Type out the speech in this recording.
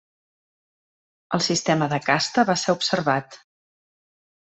El sistema de casta va ser observat.